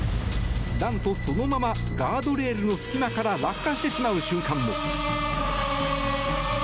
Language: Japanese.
なんと、そのままガードレールの隙間から落下してしまう瞬間も。